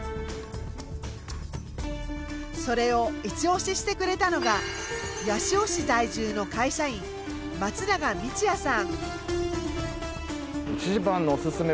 それをいちオシしてくれたのが八潮市在住の会社員松永路也さん。